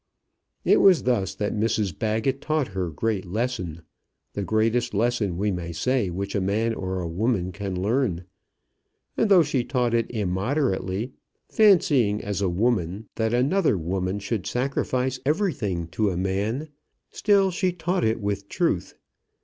It was thus that Mrs Baggett taught her great lesson, the greatest lesson we may say which a man or a woman can learn. And though she taught it immoderately, fancying, as a woman, that another woman should sacrifice everything to a man, still she taught it with truth.